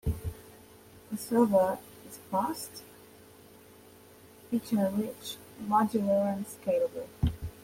The server is fast, feature-rich, modular, and scalable.